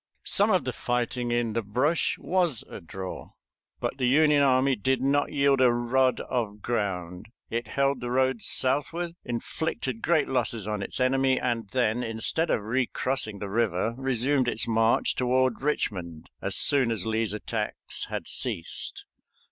Some of the fighting in the brush was a draw, but the Union army did not yield a rood of ground; it held the roads southward, inflicted great losses on its enemy, and then, instead of recrossing the river, resumed its march toward Richmond as soon as Lee's attacks had ceased.